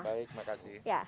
baik terima kasih